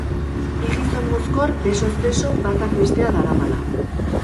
Bi gizon mozkor, besoz beso, batak bestea daramala.